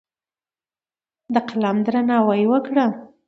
د قلم درناوی وکړه.